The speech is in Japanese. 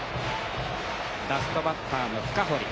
ラストバッターの深堀。